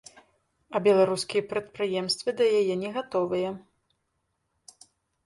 А беларускія прадпрыемствы да яе не гатовыя.